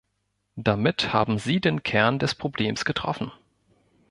Damit haben Sie den Kern des Problems getroffen.